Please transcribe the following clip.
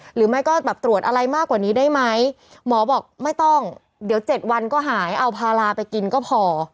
หรือไม่ก็แบบตรวจอะไรมากกว่านี้ได้ไหมหมอบอกไม่ต้องเดี๋ยว๗วันก็หายเอาพาราไปกินก็พอ